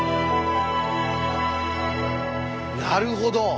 なるほど！